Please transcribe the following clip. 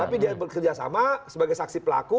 tapi dia bekerja sama sebagai saksi pelaku